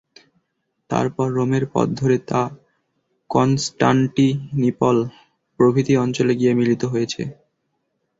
তারপর রোমের পথ ধরে তা কনস্টান্টিনিপল প্রভৃতি অঞ্চলে গিয়ে মিলিত হয়েছে।